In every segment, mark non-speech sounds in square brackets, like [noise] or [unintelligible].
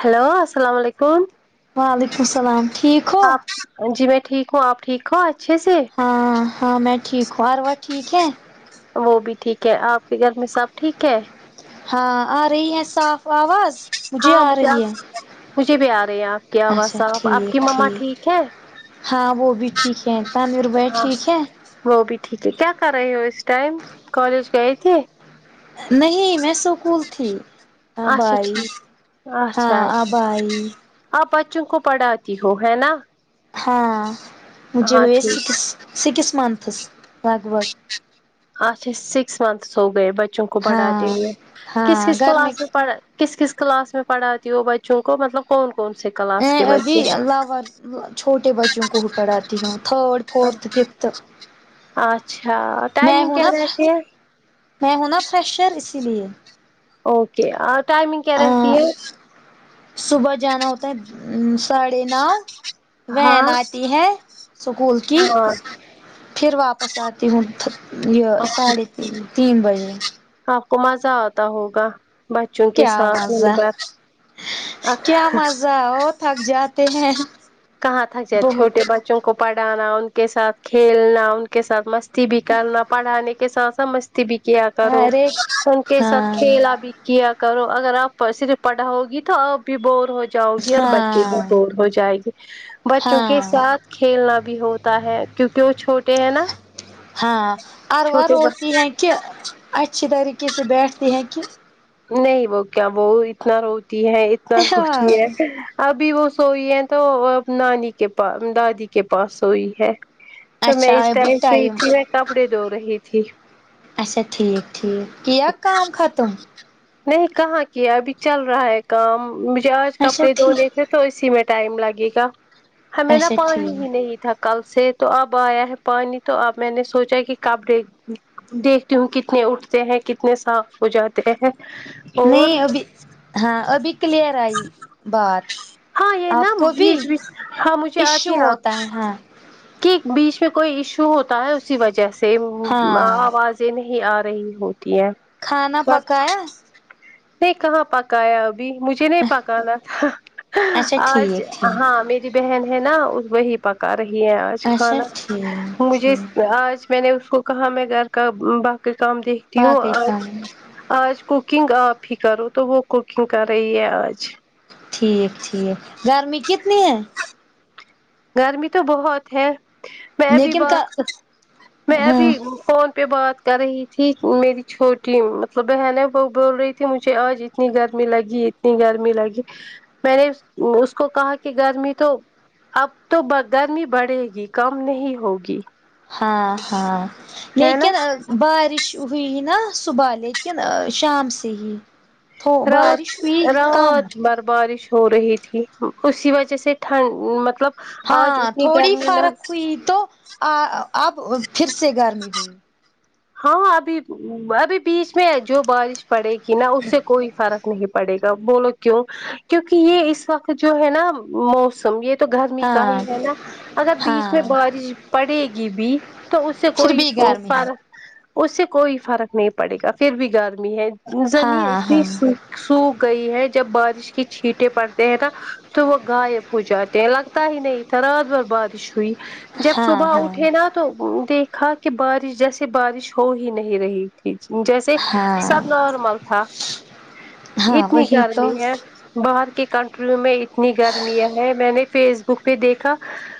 hello السلام علیکم وعلیکم السلام ٹھیک ہو آپ جی میں ٹھیک ہوں آپ ٹھیک ہو اچھے سے ہاں ہاں میں ٹھیک ہوں ہار اروا ٹھیک ہے وہ بھی ٹھیک ہے آپ کے گھر میں سب ٹھیک ہے ہاں آ رہی ہے صاف آواز ہاں آ مجھے اب رہی ہے مجھے بھی آ رہے ہیں آپ کی آواز اچھا صاف آپ کی ٹھیک مما ٹھیک ہے ہاں وہ بھی ٹھیک ہے تنویر بھیا ٹھیک ہے وہ بھی ٹھیک ہے کیا کر رہے ہو اس ٹائم کالج گئے تھے نہیں میں اسکول تھی آب اچھا ائی ٹھیک ہاں اچھا آب اچھا آئی آپ بچوں کو پڑھاتی ہو ہے نا ہاں مجھے ہاں ہوئے ٹھیک سکس سکس منتھس لگ بھگ اچھا سکس منتھس ہوگئے بچوں کو ہاں پڑھاتے ہوئے ہاں کس کس گھر کلاس میں پڑھ کس کلاس میں پڑھاتی ہو بچوں کو مطلب کون کون سے کلا ا ابھی لور چھوٹے بچوں کو بھی پڑھاتی ہوں تھرڈ فورتھ ففتھ اچھا میں ٹائمنگ ہوں کیا نا رہتی ہے میں ہوں نا فریشر اسی لیے اوکے ٹائمنگ کیا رہتی ہے صبح جانا ہوتا ہے آ ساڑھے نو وین ہاں آتی ہے اسکول کی ہاں پھر واپس آتی ہو تہ یہ اچھا ساڑھے تین ٹھیک تین بجے آپ کو مزہ آتا ہوگا بچوں کے کیا ساتھ دن مزہ بھر کیا مزہ ہو تھک جاتے ہیں کہاں تھک جائے چھوٹے بہت بچوں کو پڑھانا ان کے ساتھ کھیلنا ان کے ساتھ مست ی بھی کرنا پڑھانے کے ساتھ س مستی بھی کیا کرو ارے ان کے ساتھ ہاں کھیلا بھی کیا کرو اگر آپ پ صرف پڑھا ہوگی تو آپ بھی بور ہو جاؤ گی اور بچے بھی ہاں بور ہو جائے گے بچوں کے ہاں ساتھ کھیلنا بھی ہوتا ہے کیونکہ وہ چھوٹے ہیں نا چھوٹے ب چہ اچھی طریقے سے بیٹھتے ہیں کیا نہیں وہ کیا وہ اتنا روتی ہے اتنا روتی ہاں ہے ابھی وہ سوئی ہے تو نانی کے پا دادی کے پاس سوئی ہے تو میں اچھا اس ابھی ٹائم فری تھی میں کپڑے دھو رہی تھی اچھا ٹھیک ٹھیک کیا کام ختم نہیں کہاں کیا ابھی چل رہا ہے کام مجھے آج اچھا کپڑے ٹھیک دھونے تھے تو اسی میں ٹائم لگے گا ہمیں نا اچھا پانی ہی ٹھیک نہیں تھا کل سے تو اب آیا ہے پانی تو اب میں نے سوچا کہ کپڑے ا دیکھتی ہوں کتنے اٹھتے ہیں کتنے صاف ہو جاتے ہیں اور نہیں ابھی ہاں ابھی کلیئر آئی بات ہاں یہ نا آپ کو بھی بیچ بیچ ہاں مجھے آتی ایشو آپ ہوتا ہے ہاں کہ بیچ میں کوئی ایشو ہوتا ہے اسی وجہ سے و ہاں آواز سے نہیں آ رہی ہوتی ہے کھانا پکایا نہیں کہاں پکایا ابھی مجھے نہیں پکانا تھا اچھا آج ٹھیک ٹھیک ہاں م یری بہن ہے نا وہی پکا رہی ہے آج اچھا کھانا ٹھیک مجھے ٹھیک آج میں نے اس کو کہا میں گھر کا باقی کام دیکھتی ہوں باقی کام آج کوکنگ آپ ہی کرو تو وہ کوکنگ کر رہی ہے آج ٹھیک ٹھیک گرمی کتنی ہے گرمی تو بہت ہے میں بھی لیکن کا بہت میں بھی ہاں فون پہ بات کر رہی تھی میری چھوٹی مطلب بہن ہے وہ بول رہی تھی مجھے آج اتنی گرمی لگی اتنی گرمی لگی میں نے اس کو کہا کہ گرمی تو اب تو بہ گرمی بڑھے گی کم نہیں ہوگی ہاں ہاں ہے نا لیکن بارش ہوئی نا صبح لیکن ا شام سے ہی رات بارش ہوئی کم رات بر بارش ہو رہی ٹھیک ہو اسی وجہ سے ٹھنڈ مطلب آج ہاں اتنی تھوڑی گرمی نہ فرق ہوئی تو ا اب پھر سے گرمی ہوئی ہاں ابھی ابھی بیچ میں جو بارش پڑے گی نا اس سے کوئی فرق نہیں پڑے بولو کیوں کیونکہ یہ اس وقت جو ہے نا موسم یہ تو گرمی کا ہی ہاں ہے نا اگر بیچ میں ہاں بارش پڑے گی بھی تو اس سے پھر کوئی بھی ف گرمی ہے فرق اس سے کوئی فرق نہیں پڑے گا پھر بھی گرمی ہے زمین ہاں اتنی ہاں سو سوکھ گئی ہے جب بارش کی چھیٹیں پڑتے ہیں نا تو وہ غائب ہو جاتے ہیں لگ پتا ہی نہیں تھا رات بھر بارش ہوئی جب ہاں صبح ہاں اٹھے نا تو دیکھا کہ بارش جیسے بارش ہو ہی نہیں رہی تھی جیسے ہاں سب نارمل تھا ہاں اتنی وہی تو گرمی ہے باہر کی کنٹریوں میں اتنی گرمیاں ہیں میں نے فیس بک پہ دیکھا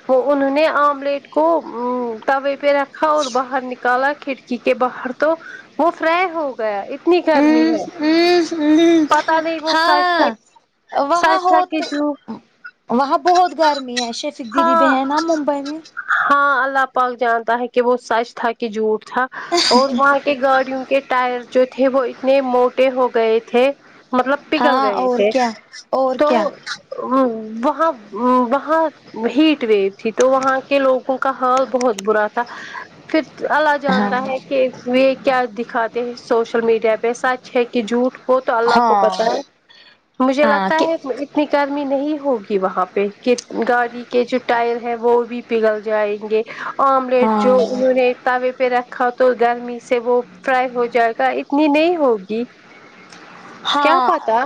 وہ انہوں نے آملیٹ کو ا توے پہ رکھا اور باہر نکالا کھڑکی کے باہر تو وہ فرائی ہو گیا ات نی گرمی ہے پتہ نہیں وہ صحیح ہاں وہاں ہو صحیح [unintelligible] وہاں بہت گرمی ہے شیفق دیدی بہن ہے نا ممبئی میں ہاں اللہ پاک جانتا ہے کہ وہ سچ تھا کہ جھوٹ تھا اور وہاں کے گاڑیوں کے ٹائر جو تھے وہ اتنے موٹے ہو گئے تھے مطلب پگل ہاں گئے اور تھے کیا اور کیا ا وہاں ا وہاں ہیٹ ویو تھی تو وہاں کے لوگوں کا حال بہت برا تھا پھر اللہ ہاں جانتا ہے کہ یہ کیا دکھاتے ہیں سوشل میڈیا پہ سچ ہے کہ جھوٹ وہ تو اللہ کو پتہ ہاں ہے مجھے ہاں لگتا کہ ہے اتنی گرمی نہیں ہوگی وہاں پہ کہ گاڑ ی کے جو ٹائر ہیں وہ بھی پگل جائیں گے آملیٹ جو ہاں انہوں نے توے پہ رکھا تو گرمی سے وہ فرائی ہو جائے گا اتنی نہیں ہوگی کیا ہاں پتا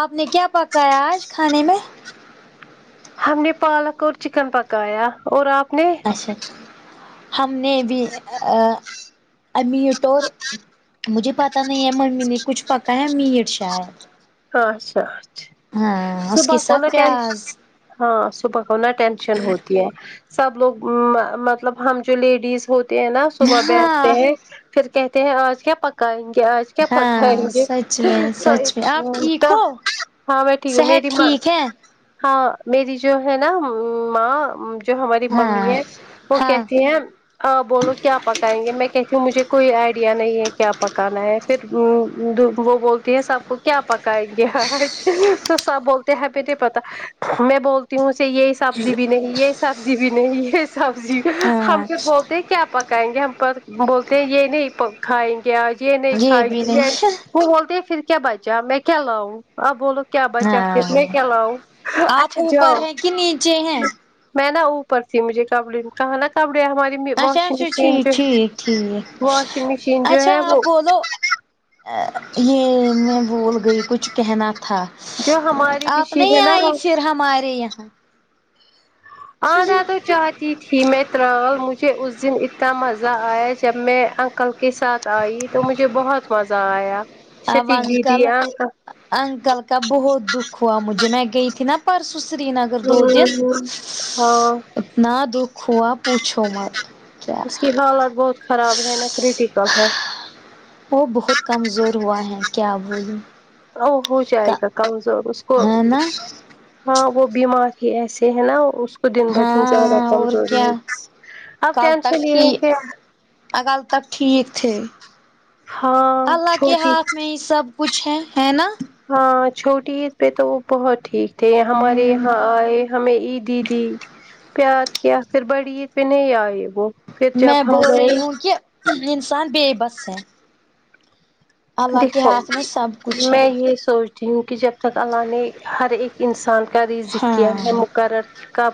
آپ نے کیا پکایا آج کھانے میں ہم نے پالک اور چکن پکایا اور آپ نے اچھا ہم نے بھی ا ا امیٹ اور مجھے پتا نہیں ہے ممی نے کچھ پکا ہے میٹ شاید اچھا اچھا ہاں اس کے صبح کو نہ ساتھ ٹینش پیاز ہاں صبح کو نہ ٹینشن ہوتی ہے سب لوگ ما مطلب ہم جو لیڈیز ہوتے ہیں نا صبح بیٹھتے ہاں ہیں پھر کہتے ہیں آج کیا پکائیں گے آج کیا پکائیں ہاں گے سچ میں سچ میں آپ ٹھیک تا ہو ہاں میں ٹھیک ہیں صحت میری ماں ٹھیک ہے ہاں میری جو ہے نا م ماں جو ہماری ممی ہاں ہے وہ ہاں کہتی ہیں ہاں بولو کیا پکائیں گے میں کہتی ہوں مجھے کوئی آئیڈیا نہیں ہے کیا پکانا ہے پھر ا د وہ بولتی ہے سب کو کیا پکائیں گے آج تو سب بولتے ہیں ہمیں نہیں پتا میں بول تی ہوں اوسے یہ سبزی بھی نہیں یہ سبزی بھی نہیں یہ سبزی ہم ہاں سے بہت کیا پکائیں گے ہم پر بولتے ہیں یہ نہیں پ کھائیں کے آج یہ نہیں کھائے بھی گے یہ نہیں وہ بول ہے پھر کیا بچا میں کیا لاؤں آپ بولو کیا بچا پھر میں ہاں کیا لاؤں آپ اچھا جاؤ اوپر ہیں کہ نیچے ہیں میں نا اوپر تھی مجھے کیا بولی کہا نا کپڑے ہماری اچھا واشنگ اچھا مشین ٹھیک جو ٹھیک ٹھیک واشنگ مشین جو ہے وہ ا یہ میں بھول گئی کچھ کہنا تھا جو ہماری آپ مشین نہیں ہے نا آئی پھر ہمارے یہاں آنا تو چاہتی تھی میں ترال مجھے اس دن اتنا مزہ آیا جب میں انکل کے ساتھ آئی تو مجھے بہت مزہ آیا اب شفیق دیدی انکل انکل انکل کا بہت دکھ ہوا مجھے میں گئی تھی نا پرسوں سرینگر ؤں ہوں ہاں اتنا دکھ ہوا پوچھو مت کیا اس کی حالت بہت خراب ہے نہ کریٹیکل ہے وہ بہت کمزور ہوا ہیں کیا بولوں ا وہ ہو جائے کا گا کمزور اس کو ہے نا ہاں وہ بیمار ہی ایسے ہیں نا وہ اس دن بہ دن زیادہ ہاں اور کمزوری ہے کیا اب ٹینشن یہ ہے کہ انکل تب ٹھیک تھے ہاں اللہ کے چھوٹی ہاتھ میں ہی سب کچھ ہے ہے نا ہاں چھوٹی عید پہ تو وہ بہت ٹھیک تھے ہمارے یہاں آئے ہمیں عیدی دی پیار کیا پھر بڑی عید پہ نہیں آئے وہ پھر جب میں ہم بول گئے رہی ہوں کہ انسان بےبس ہے اللہ کے دیکھو ہاتھ میں سب کچھ ہے میں یہ سوچ تی ہوں جب تک اللہ نے ہر ایک انسان کا رزق کیا ہے ہاں مق رر کب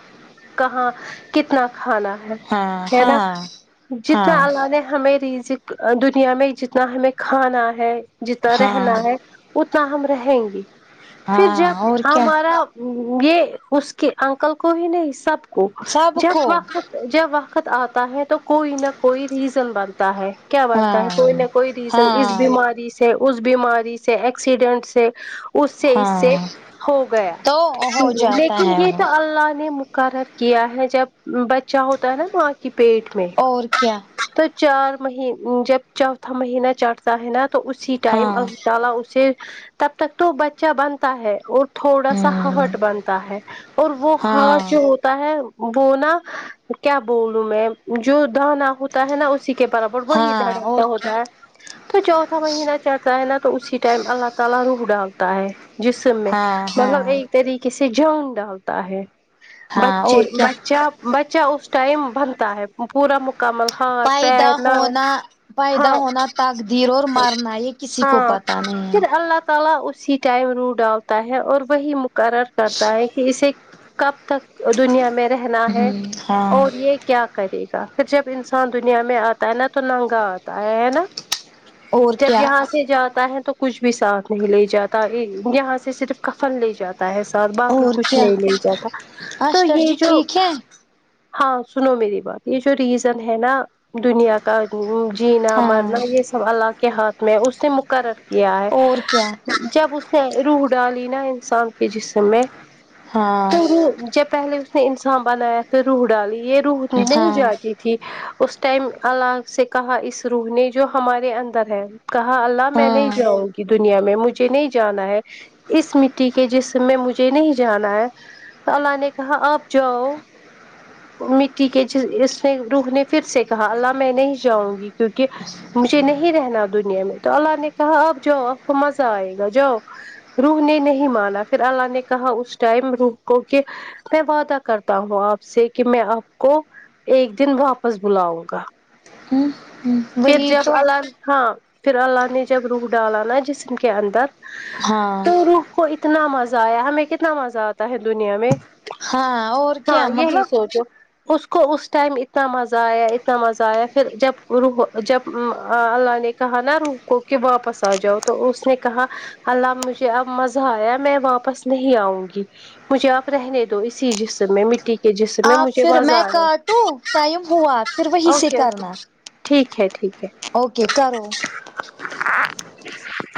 کہاں کتنا کھانا ہاں ہے نا ہاں جتنا ہاں اللہ نے ہمیں رزق دنیا میں جتنا ہمیں کھانا ہے جتنا رہنا ہاں ہے اتنا ہم رہیں گے پھر ہاں جب اور کیا ہمارا یہ اس کے انکل کو ہی نہیں سب کو سب جب کو وقت جب وقت آتا ہے تو کوئی نہ کوئی ریزن بنتا ہے کیا بنتا ہے ہاں کوئی نہ کوئی ریزن اس ہاں بیماری سے اس بیماری سے ایکسیڈنٹ سے اس سے اس سے ہاں ہو گیا تو ہو جاتا لیکن ہے یہ وہ تو اللہ نے م قرر کیا ہے جب بچہ ہوتا ہے نا ماں کی پیٹ میں اور کیا تو چار مہ جب چوتھا مہینہ چڑھتا ہے نا تو اس اسی ٹائم ہاں اللہ تعالی اسے تب تک تو بچہ بنتا ہے اور تھوڑا سا ہارٹ ہوں بنتا ہے اور وہ ہارٹ ہاں جو ہو تا ہے وہ نا کیا بولوں میں جو دانا ہوتا ہے نا اسی کے برابر وہی ہاں اور دھڑکتا کیا ہوتا ہے تو چو تھا مہینہ چڑھتا ہے نا تو اسی ٹائم اللہ تعالی روح ڈالتا ہے جسم میں ہاں ہاں مطلب ایک طریقے سے جان ڈالتا ہے ہاں بچے اور کیا بچہ بچہ اس ٹائم بنتا ہے پورا م کمل ہاتھ پیدا پیر ناک ہاں تیر اور مارنا یہ کسی کو ہاں پتا نہیں ہے پھر اللہ تعالی اسی ٹائم روح ڈالتا ہے اور وہی مقرر کرتا ہے کہ اسے کب تک دنیا میں رہنا ہے ہوں ہاں اور یہ کیا کرے گا پھر جب انسان دنیا میں آتا ہے نا تو ننگا آتا ہے ہے نا اور جب کیا یہاں سے جاتا ہے تو کچھ بھی ساتھ نہیں لے جاتا یہاں سے صرف کفن لے جاتا ہے ساتھ باقی اور کچھ کیا نہیں لے جاتا تو اشٹر یہ جی جو ٹھیک ہے ہاں سنو میری بات یہ جو ریزن ہے نا دنیا کا ا جینا ہاں مرنا یہ سب اللہ کے ہاتھ میں اس نے مقرر کیا ہے اور کیا جب اس نے روح ڈالی نا انسان کے جسم میں تو ہاں جب پہلے اس نے انسان بنایا پھر روح ڈالی یہ روح نہیں ہاں جاتی ج اس ٹائم اللہ سے کہا اس روح نے جو ہمارے اندر ہے کہا اللہ میں نہیں ہاں جاؤں گی دنیا میں مجھے نہیں جانا ہے اس مٹی کے جسم میں مجھے نہیں جانا ہے تو اللہ نے کہا آپ جاؤ مٹی کے اس نے روح نے پھر سے کہا اللہ میں نہیں جاؤں گی کیونکہ مجھے نہیں رہنا دنیا میں تو اللہ نے کہا آپ جاؤ آپ کو مزہ آئے گا جاؤ روح نے نہیں مانا پھر اللہ نے کہا اس ٹائم روح کو کہ میں وعدہ کرتا ہوں آپ سے کہ میں آپ کو ایک دن واپس بلاؤں گا ہوں ہوں پھر جب اللہ ہاں پھر اللہ نے جب روح ڈالا نا جسم کے اندر ہاں تو روح کو اتنا مزہ آیا ہمیں کتنا مزہ آتا ہے دنیا میں ہاں اور ہاں کیا یہی مطلب سوچو اس کو اس ٹائم اتنا مزہ آیا اتنا مزہ آیا پھر جب روح جب اللہ نے کہا نا روح کو کہ واپس آ جاؤ تو اس نے کہا اللہ مجھے اب مزہ آیا میں واپس نہیں آؤں گی مجھے آپ رہنے دو اسی جسم میں مٹی کے جسم میں آپ مجھے پھر مزہ میں آرہے کاٹوں ٹائم ہوا اب اوکے اوکے ٹھیک ہے ٹھیک ہے اوکے کرو ہ [inaudible]